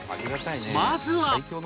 まずは